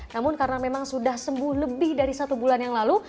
namun karena memang sudah sembuh lebih dari satu bulan yang lalu